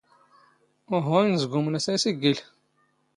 ⵓⵀⵓ ⵉⵏⵣⴳⵓⵎⵏ ⴰ ⵙ ⴰⵔ ⵉⵙⵉⴳⴳⵉⵍ.